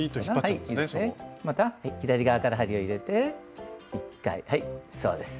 また左側から針を入れて１回はいそうです。